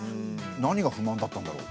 何が不満だったんだろう？